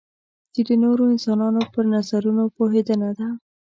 چې د نورو انسانانو پر نظرونو پوهېدنه ده.